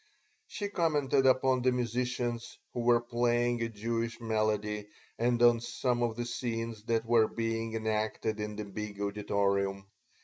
She commented upon the musicians, who were playing a Jewish melody, and on some of the scenes that were being enacted in the big auditorium.